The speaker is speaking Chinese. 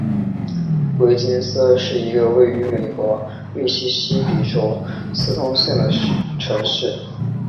威金斯是一个位于美国密西西比州斯通县的城市。